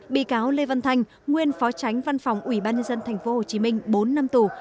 bị cáo lê văn thanh nguyên phó tránh văn phòng ubnd tp hcm bốn năm tù